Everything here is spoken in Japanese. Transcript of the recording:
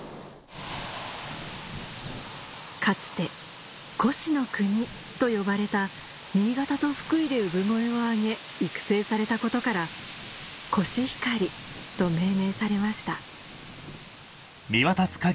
かつてと呼ばれた新潟と福井で産声を上げ育成されたことからと命名されました